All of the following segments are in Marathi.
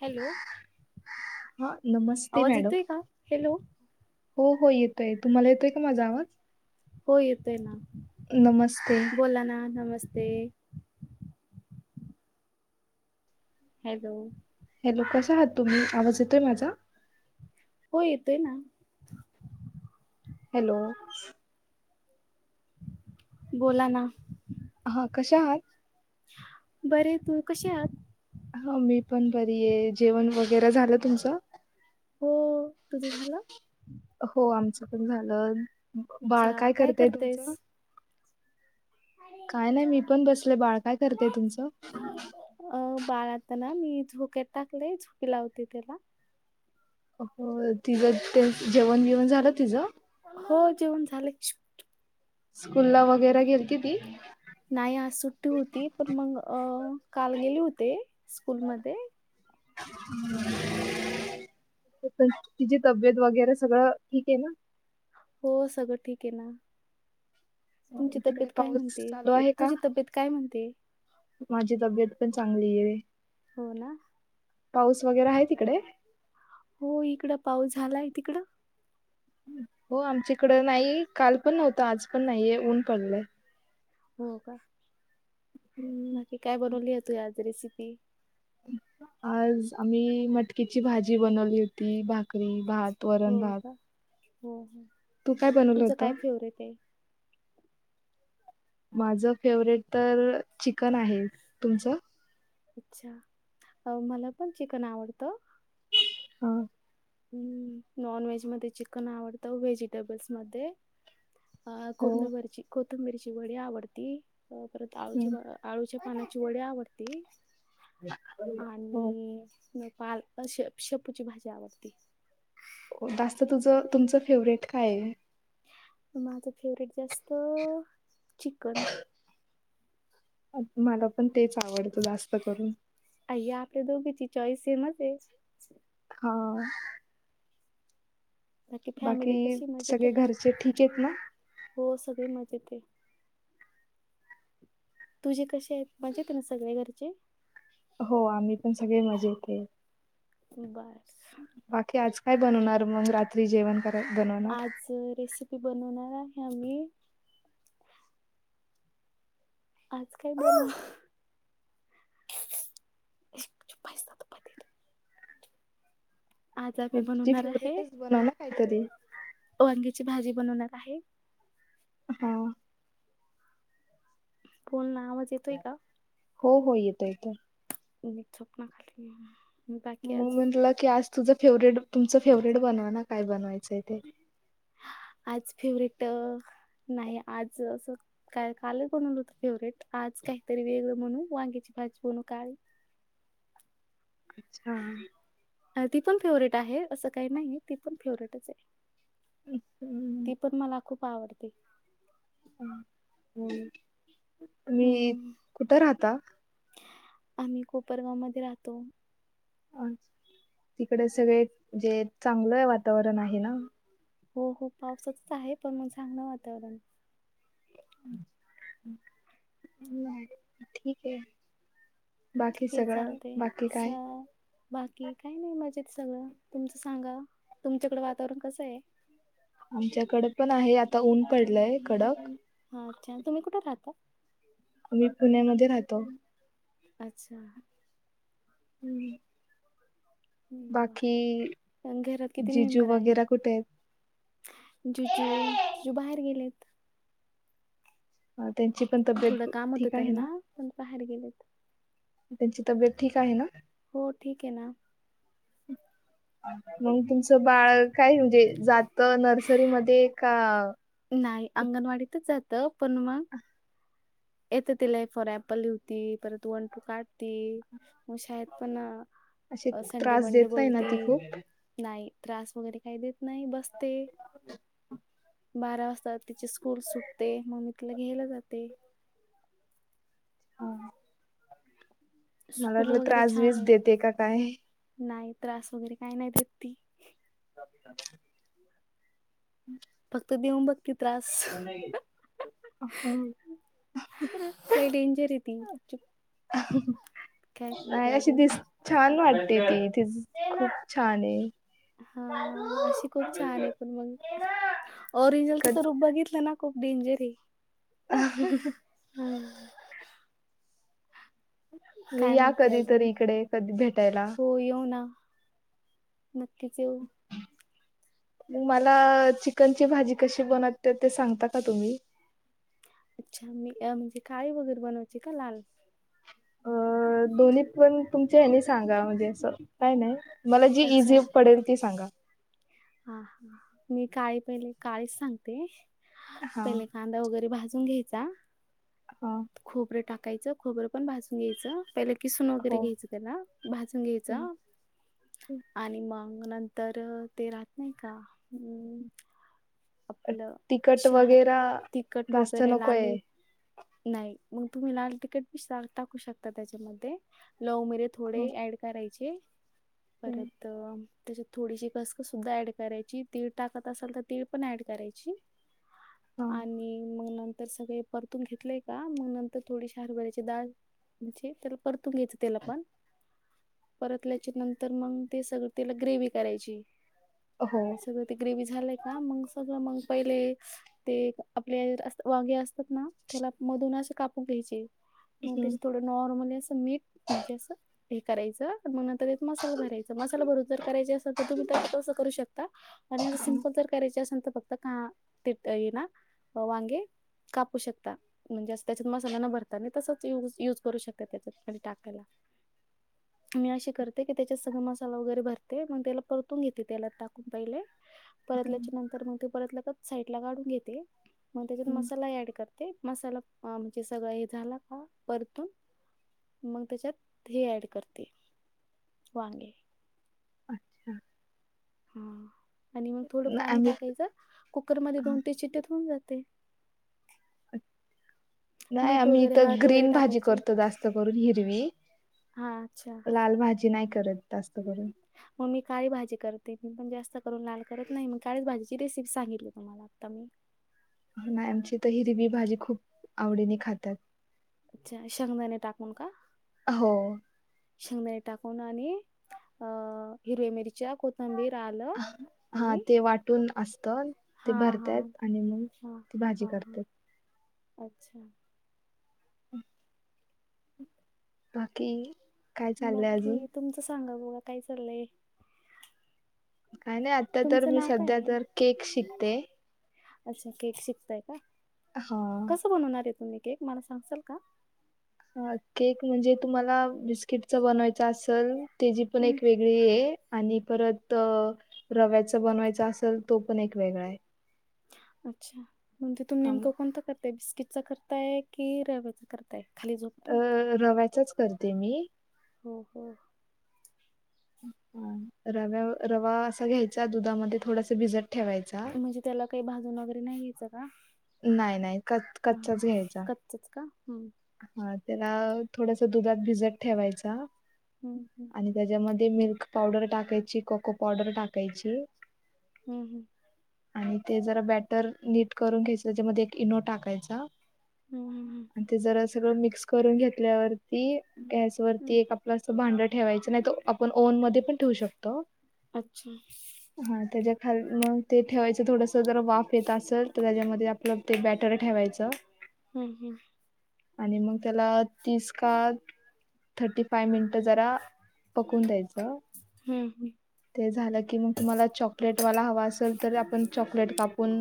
हॅलो हा नमस्ते आवाज मॅडम येतोय का? हॅलो हो हो येतोय तुम्हाला येतोय का माझा आवाज हो येत आहे ना नमस्ते बोला ना नमस्ते हॅलो हॅलो कसा आहात तुम्ही आवाज येतोय माझा हो येतोय ना हॅलो बोला ना हा कशा आहात बर तू कशी आत हा मी पण बरी आहे जेवण वगैरे झालं तुमचं हो तुझं झालं हो आमचं झालं बाळ अच्छा काय करतय तुमचं करतेस? काय नाही मी पण बसले बाळ काय करतेय तुमचं अ बाारता ना मी झोक्यात टाकले झोकी लावते त्याला हो तिचं ते जेवण बिवण झालं तिझं हो जेवण झाले स्कूल ला वगैरे घेती ती नाही आज सुट्टी होती पण मग अ काल गेली होते स्कूलमध्ये हम् तिची तब्येत वगैरे सगळं ठीक आहे ना हो सगळं ठीक आहे ना तुमची तिकडे तब्येत काय पाऊस चालू म्हणते आहे का तुझी तब्येत काय म्हणते माझी तब्येत पण चांगली आहे हो ना पाऊस वगैरे आहे तिकडे हो इकड पाऊस झालाय तिकडं हो आमच्याकड नाही काल पण नव्हतं आज पण नाहीये ऊन पडलं हो का हम्म. बाकी काय बनवली आहे तू आज रेसिपी आज आम्ही मटकीची भाजी बनवली होती भाकरी भात हो वरण भात का हो हो तू काय बनवलं तुझं काय होतं? फेवरेट आहे माझ फेवरेट तर चिकन आहे तुमचं अच्छा अ मला पण चिकन आवडतं हा हम् नॉन व्हेज मध्ये चिकन आवडतं व्हेजिटेबल्स मध्ये हो. कोथंबीरीची वडी आवडती परत आळूच हम्म. वड्या अळूच्या पानाची वडी आवडते हो आणि पालक शेपूची भाजी आवडती हो जास्त तुझं तुमचं फेवरेट काय माझं फेवरेट जास्त चिकन मला पण तेच आवडत अय्या पे दोघींची चॉईस सेमच आहे हो बाकी फॅमिली कशी मज येते सगळे का घरचे ठीक आहेत ना? हो सगळी मजेत जथे तुझे कसे आहेत मजेेत ना सगळे घरचे हो आम्ही पण सगळे मजेत येत बर बाकी आज काय बनवणार मग रात्री जेवण करा आज रेसिपी बनवणार आहे आ म्ही आज काय बलं चूप बस आज मी तुझी बनवणार आहे फेवरेटच बनव ना काहीतरी. वांग्याची भाजी बनवणार आहे हा फोन ला आवाज येतोय का हो हो येतं येत मम्मी झोप ना खाली बाकी म अजून म्हणटला की अस तुझं फेवर्हेट तुमचं फेवरेट बनवा ना काय बनवायचं आहे ते आज फेवर्हिट नाही आज अस काय काल कोणल होत फेवर्हेट आज काहीतरी वेगळं म्हणू वांगेची भाजी बनवू काय हा अच्छा अ ती पण फेवर्हेट आहे असं काही नाही ती पण फेवर्हेटच आहे ती पण मला खूप आवडते ह तूमी हम्म. कुठं राहता आम्ही कोपरगावमध्येध्ये राहतो अ तिकडे सगळे जे चांगलं वातावरण आहे ना हो हो पावसच आहे पण मग चांगलं वातावरण ठीक आहे ठीक बाकी आहे सगळं चालतंय. बाकी स काय बाकी काय नाही मजेत सगळं तुमचं सांगा तुमच्याकडें वातावरण कसं आहे आमच्याकडे पण आहे आता ऊन पडलंय कडक हा अच्छा तुम्ही कुठे राहता आम्ही पुण्यामध्ये राहतो अच्छा हम् बर घरात किती जिजू मेंबर आहे वगैरे कुठे आहेत जुजू जिजू बाहेर गेलेत अ, त्यांची पण थोडं तब्येत काम होतं ठीक आहे ना त्यांना पण बाहेर गेलेत. त्यांची तब्येत ठीक आहे ना हो ठीक आहे ना हम् मग तुमचं बाळ काय म्हणजे जात नर्सरीमध्ये का नाही अंगणवाडीतच जात पण मग येतं तिला फॉर एझाम्पल लिवती परत वन टू काढती मग शाळेत पण असे अ संडे त्रास देत मंडे नाही ना ती बोलतील खूप नाही त्रास वगैरे काही देत नाही बसते बारा वाजता तिचे स्कूल सुटते मम्मी तिला घ्यायला जाते ह मला स्कूल वाटलं वगैरे त्रासवीीस छान आहे देते का काय नाही त्रास वगैरे काय नाहीत ती ह फक्त देऊन बघ त त्रास हं. काही डेंजर य ती चुप काय नाही ते अशी अजून दिस छान वाटते थ खूप छान आहे हा अशी खूप छान आहे पण मग ओरिंजलच तर रूप बघितलं ना खूप डेंजर आहे म काय या म्हणते कधी तरी अजून इकडे कधी भेटायला नकीिकेऊ मग मला चिकनची भाजी कशी बनवते ते सांगता का तुम्ही अच्छा मी म्हणजे काळी वगैरे बनवायची का लाल अ दो् पण तुमच्या हने सांगा म्हणजे असं काय नाही मला जी इझी अच्छा पडेल ती सांगा हा मी काळी पहिले काळीच सांगते हा पहिले कांदा वगैरे भाज घय हा खोबरं टाकायच खोबरं पण भाजून घ्यायचं प किसून वगैरे हो घ्यायचं त्याला भाजून घ्यायच आणि मग मग नंतर ते राहत नाही का आपलं तिकट शहा वगैर तिखट जास्त वगैरे नको लाल आहे मिरच नाही मग तुम्ही लाल तिकीट बी टाकू शकता त्याच्यामध्ये लवमिरे थोडे हो ऍड करायचे परत त्याच्यात थोडीशी कस कस सुद्धा ऍड करायची तीळ टाकत असाल तर तीळ पण ऍड करायची हा आणि मग नंत तर सगळे परतून घेतलेय का मग नंतर थोडीशी हरभरा्याची डाळ म्हणजे त्याला परतून घ्यायचं त्याला पण परतल्याचे नंतर मग ते सगळं तिला ग्रेव करायची हो सगळं ते ग्रेवी झालंय का मग सगळं मग पहिले ते आपले वाघे असतात ना त्याला मधून असे कापू घ्यायचे मग हम्म, त्याच थोडं नॉर्मल असं मीठ म्हणजे असं हे करायचं मग मसा भरायचा मसा भरून जर कराय असल तर तुम्ही अस करू शकता. आणिंिमपल.. च्यांत फक्त का ये ना वांगे.. कापू शकता म्हणजे अस त्याच्यात मसाला न भरता आणि तसच युज करू शकता त्याच्या म्हणजे टाकायला. ह.. मी अशी करते की त्याच्यात सगळ मसाला वगैरे भरते मग त्याला पर.. घेते त्याला टाकून पाहिले हम्म, परतल्याच्या नंतर मग ते परत लत साईड ला काढून घेते. मग त्याच्यात हम्म. मसाला ऍड करते मसाला म्हणजे सगळं हे झाला का परतून.. मग त्याच्यात हेी ऍड करते वांगे. अच्छा. हा आणि मग थोडं नाही पाणी आम्ही टाकायचं कुकर मध्ये दोन तेीन चिट्ट्या होऊन जात. ते. नाही आम्ही तर ग्रीन भाजी टाकायची करतो जास्त करून हिरवी. हा अच्छा लाल भाजी नाही करत. जास्त करून मग मी काळी भाजी करते मी पण जास्त करून लाल करत नाही म काळीच भाजी.. ची रेसिप सांगितली तुम्हाला आता मी. नाही आमची तर हिरवी भाजी खूप आवडीने खातात. अच्छा शंगदाने टाकून का. हो. शेंगदाणे टाकून आणि अ हिरव्या मिरच्या कोथंबीर.. आलं हा आणि ते वाटून असत ते हा हा भरतायत आणि मग.. हा ती भाजी हा हा करते. अच्छा. हम्. बाकी! काय चाललंय बाकी अजून तुमचं सांगा बोघा काय चाललंय. काय नाही आता तर तुमचं मी नाव काय सध्या आहे तर केक शिकते. अच्छा केक शिकताय का हा कस बनवणार आहे. तुम्ही केक मला सांगसाल का. हा केक म्हणजे तुम्हाला बिस्किटच बनवायच असेल.. त्याचीी पण हम्म. एक वेगळी आहे. आणि परत रव्याचा बनवायचा असेल तो पण एक वेगळा आहे. अच्छा बणती तुून हा, म- नेमका कोणता.. ते बिस्किटचा करताय की रव्याचा करताय. खाली झोपता अ मग ते. रव्याचाच करते मी. हो हो. रव्या रवा असा घ्यायचा दुधामध्ये थोडसा भिजत.. ठेवायचा. म्हणजे त्याला काही भाजून वगैरे नाहीयचं. नाही नाही कच कच्चाच हा घ्यायचा. कच्चच का हम्म हा त्याला थोडस दुधात भिजत ठेवायचा. हम्म हम्म. आणि त्याच्यामध्ये मिल्क पावडर टाकायची कोको पावडर टाकायची. हम्म हम्म. आणि ते जरा बॅटर नीट करून घ्यायच त्यामध्येध्ये एक इनो टाकायचा. हम्म. आणि ते जरा सगळं मिक्स करून घेतल्यावरती गॅस हम्म ववररती एक आपलं असं भांड ठेवायचं नाही त.. आपण ओन म पण ठेवू शकतो अच्छा हा त्याच्या.. खा मग ते ठेवायचं थोडस जर वाफ येत असेल तर त्याच्यामध्ये आपलं.. ते बॅटर ठेवायचं. हम्म हम्. आणि मग त्याला तिस का थर्टी फाय मिनिट जरा पकवून द्यायचं हम् हम ते झालं की मग तुम्हाला चॉकलेट वाला हवा असेल तर आपण च चॉकले कापून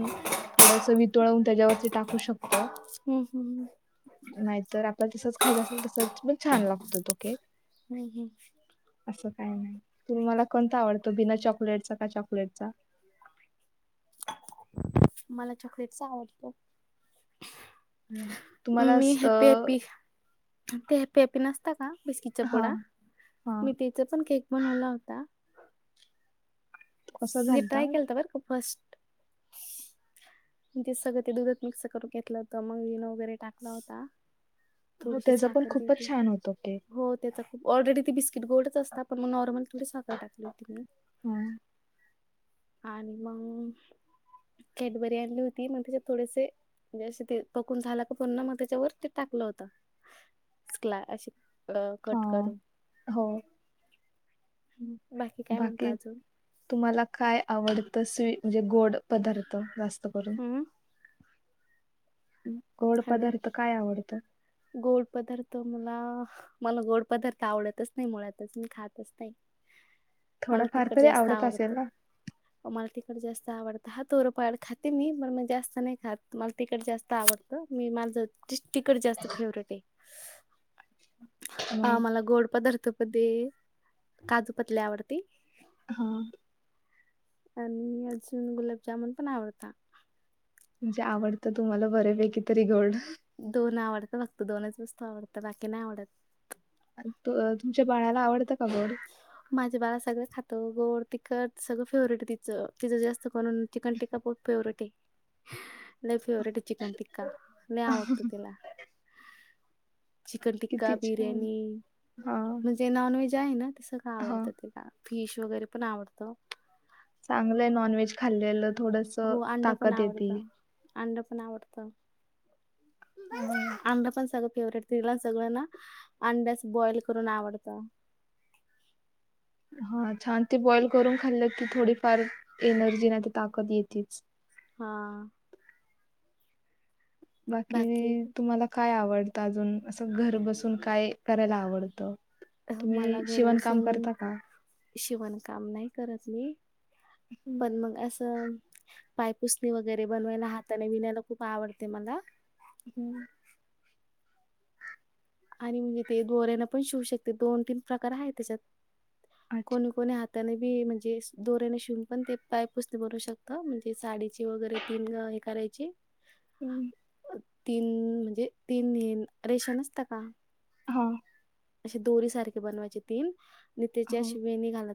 थोडस वितळून त्याच्यावरती टाकू शकतो हम्म हम्म नाहीतर आपला तसच खायचं असेल तसच मण छान लागत ोक हम्म. असं काही नाही तुम मला कोणता आवडतो भिना चॉकलेटचा का चॉकलेटचा मला चॉकलेटचा आवडत तुम्हाला मी अ हॅप्पी हॅप्पी ते हॅप्पी हॅप्पी नसतात हा बिस्कीचा हा पोडा हा मी तिचा पण केक बनवला होता कसा म्हणजे झालता ट्राय केलं तर बर खू फर्स्ट म्हण तेे सगळं ते दुधात मिक्स करून घेतलं होतं मग विण वगैरे टाकला होता हो थोडीशी त्याचा पण साखर खूपच दते छान होतो केक हो ते तर ऑलरेडी ती बिस्किट गोडच असता पण मग नॉर्मल थोडी साखर टाकली होती मी हा आणि मग कट बरयानली होती मग त्याच्यात थोडेसे म्हणजे ते पकून झाला का पुन्हा मग त्याच्यावर ते टाकलं होतला अ अ हा कट करू हो बाकी तुम्हाला काय आवडतं स्वी म्हणजे गोड पदार्थ जास्त करून हम्म गोड हॅलो पदार्थ काय आवडत गोड पदार्थ मला मला गोड पदार्थ आवडतच नाही मुळातच मी खातच नाही मला थोडाफार तिकड तरी जास्त आवडत असेल आवडतं ना व मला तिकड जास्त आवडत हा तोरपाड खाते मी पण मग जास्त नाही खात मला तिकडडे जास्त आवडत मी माझं तिकड जास्त फेवरेट आहे अ मग मला गोड पदार्थमध्ये काजू पतली आवडते होा आणि अजून गुलाबजामुन पण आवडता म्हणजे आवडतं तुम्हाला बरेपैकी तरी गोल्ड दोन आवडत फक्त दोनच वस्तू आवडत बाकी नाही आवडत तुमच्या बाणाला आवडत माझे बाळा सगळे खात गोड तिखट सगळं फेवरेट आहे तिचं तिचं जास्त करून चिकन टिकका पप फेवरेट आहे नाही फेवरेट चिकन टिक्का नाही आवडतो तिला चिकन टिक्का किती छान बिर्याणी हा म्हणजे नॉनव्हेज आहे ना ते सगळं हा आवडतं तला फीश वगैर पण नावडतो चांगलंय नॉन व्हेज खाल्लेलं थोडस हो अंड पण ताकत येते आवडतं. अंड पण आवडत ह अंडा पण सगळं फेवरेट तिला सगळंना अंड्यास बॉइल करून आवडतं [unintelligible] हा छान ते बॉइल करून खाल्लं की थोडीफार एनर्जी नाही ते ताकद येेतेच हा बाकी तुम्हाला काय आवड अजून असं घर बसून काय करायला आवडतं. तुम्ही शिवणकाम करता का. शिवण काम नाही करत मी हम्म, पण मग असं. पायपुसणी वगैरे बनवायला हाताने विनायला खूप आवडते मला. ह. आणि म्हणजे ते दोऱ्याना पण शिवू शकते दोन तीन प्रकार आहे त्याच्यात. अच्छा कोणी कोणी हात. त्याने बी म्हणजे दोऱ्याने शिवून पण ते पाईपच बनवू शकत म्हणजे साडीचे वगैरे तीन. करायची. हम्. तीन म्हणजे तीन ये रेशन नसता का. हा. अे दोरी सारखे बनवायचे तीन आणि त्याच्या हो शि वेणी घालत.